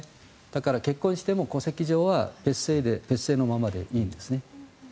だから結婚しても戸籍は別姓のままでいいんですね。